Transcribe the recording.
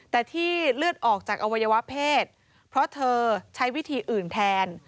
แต่ที่เลือดออกจากอวัยวะเพศเพราะเธอใช้วิธีอื่นแทน